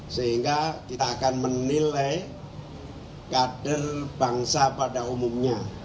sehingga kita akan menilai kader bangsa pada umumnya